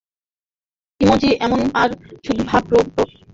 Emoji এখন আর শুধু ভাব প্রকাশ করতে ব্যবহৃত হচ্ছে না।